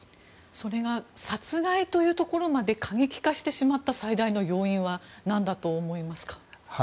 それが殺害というところまで過激化してしまった最大の要因は何だと思いますか？